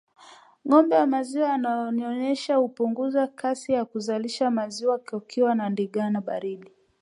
Ngombe wa maziwa wanaonyonyesha hupunguza kasi ya kuzalisha maziwa wakiwa na ndigana baridi